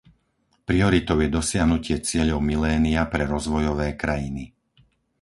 Prioritou je dosiahnutie cieľov milénia pre rozvojové krajiny.